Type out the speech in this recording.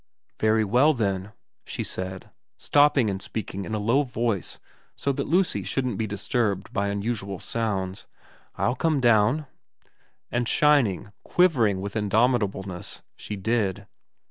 * Very well then,' she said, stopping and speaking in a low voice so that Lucy shouldn't be disturbed by unusual sounds, ' I'll come down.' And shining, quiver ing with indomitableness, she did.